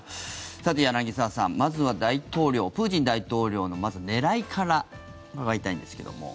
さて柳澤さん、まずは大統領プーチン大統領の、まず狙いから伺いたいんですけども。